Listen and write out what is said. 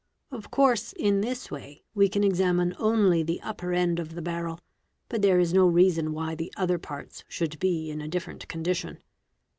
Of course in this way we can — examine only the upper end of the barrel, but there is no reason why the — other parts should be in a different condition.